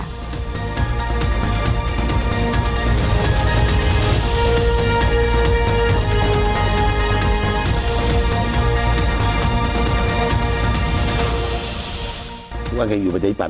ทุกคนค่อยอยู่ประเทศปันดิ์